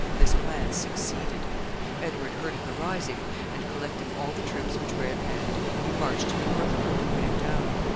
This plan succeeded. Edward heard of the rising, and, collecting all the troops which were at hand, he marched to the northward to put it down.